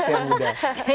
untuk yang muda